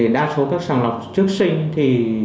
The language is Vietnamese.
đa số các sàng lọc trước sinh thì